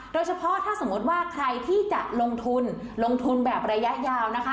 โดยเฉพาะถ้าสมมติว่าใครที่จะลงทุนลงทุนแบบระยะยาวนะคะ